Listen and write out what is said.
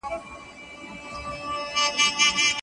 استاد به شاګرد ته پوره خپلواکي ورکړي.